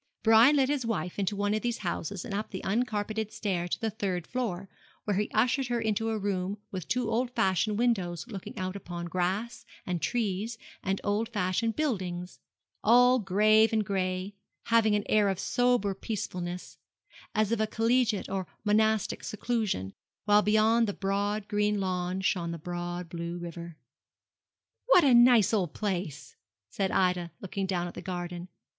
Brian led his wife into one of these houses and up the uncarpeted stair to the third floor, where he ushered her into a room with two old fashioned windows looking out upon grass, and trees, and old fashioned buildings, all grave and gray, and having an air of sober peacefulness, as of a collegiate or monastic seclusion, while beyond the broad green lawn shone the broad blue river. 'What a nice old place!' said Ida, looking down at the garden.